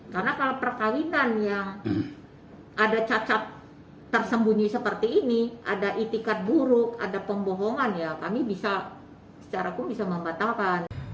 karena kalau perkahwinan yang ada cacat tersembunyi seperti ini ada itikat buruk ada pembohongan kami bisa membatalkan